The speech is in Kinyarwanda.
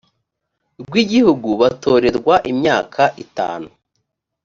rw igihugu batorerwa imyaka itanu